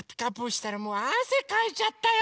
したらもうあせかいちゃったよ！